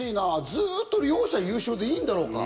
ずっと両者優勝でいいんだろうか？